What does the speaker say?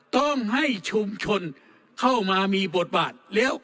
ต้องให้ชุมชนเข้ามามีบทบาท